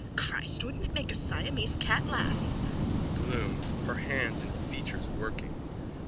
_ Christ, wouldn't it make a Siamese cat laugh? BLOOM: _(Her hands and features working.)